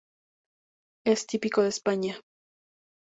Es típico de España.